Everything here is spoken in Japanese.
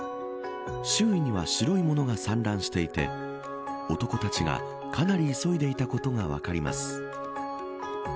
周囲には白い物が散乱していて男たちがかなり急いでいたことが分かります。